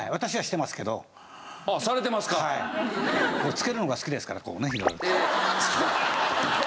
着けるのが好きですからこうね色々。